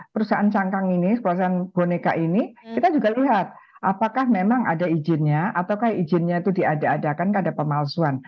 perusahaan cangkang ini perusahaan boneka ini kita juga lihat apakah memang ada izinnya atau izinnya itu diadakan keadaan pemalsuan